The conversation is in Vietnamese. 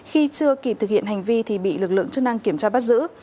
khi chưa kịp thực hiện hành vi thì bị lực lượng chức năng kiểm tra bắt giữ